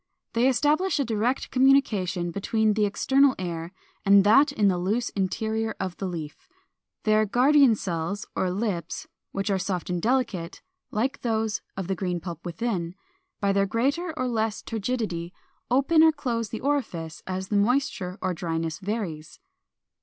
They establish a direct communication between the external air and that in the loose interior of the leaf. Their guardian cells or lips, which are soft and delicate, like those of the green pulp within, by their greater or less turgidity open or close the orifice as the moisture or dryness varies.